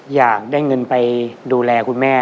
อยากได้เงินไปดูแลคุณแม่